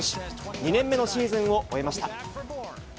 ２年目のシーズンを終えました。